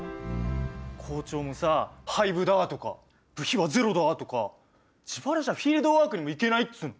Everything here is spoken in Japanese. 校長もさ「廃部だ！」とか「部費はゼロだ！」とか自腹じゃフィールドワークにも行けないっつうの！